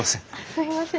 すいません。